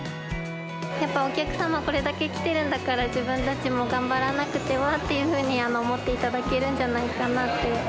やっぱりお客様、これだけ来てるんだから、自分たちも頑張らなくてはっていうふうに思っていただけるんじゃないかなって。